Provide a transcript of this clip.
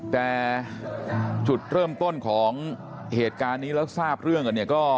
แต่จุดเริ่มต้นของเหตุการณ์นี้แล้วทราบเรื่องกันเนี่ยก็